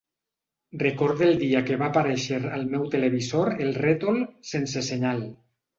Recorde el dia que va aparèixer al meu televisor el rètol ‘sense senyal’.